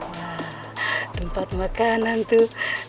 wah tempat makanan tuh